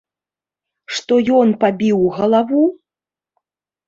Што ён пабіў галаву?